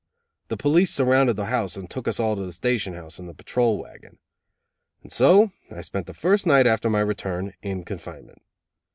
The police surrounded the house and took us all to the station house in the patrol wagon. And so I spent the first night after my return in confinement.